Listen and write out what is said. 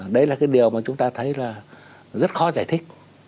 đấy là cái điều mà chúng ta thấy là rất khó giải thích